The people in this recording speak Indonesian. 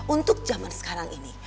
untuk jaman sekarang ini